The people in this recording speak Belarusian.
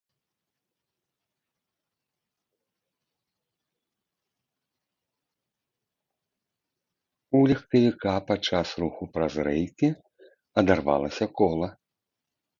У легкавіка падчас руху праз рэйкі адарвалася кола.